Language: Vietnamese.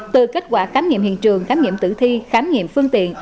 từ kết quả khám nghiệm hiện trường khám nghiệm tử thi khám nghiệm phương tiện